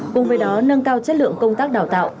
cùng với đó nâng cao chất lượng công tác đào tạo